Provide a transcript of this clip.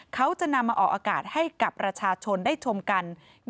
เขาจะนำมาออกอากาศให้กับประชาชนได้ชมกัน